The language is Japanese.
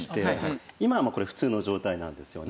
今これ普通の状態なんですよね。